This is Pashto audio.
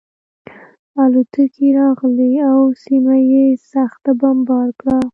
الوتکې راغلې او سیمه یې سخته بمبار کړه